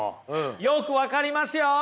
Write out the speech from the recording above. よく分かりますよ！